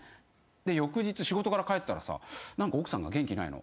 で翌日仕事から帰ったら何か奥さんが元気ないの。